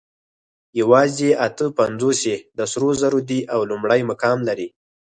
یواځې اته پنځوس یې د سرو زرو دي او لومړی مقام لري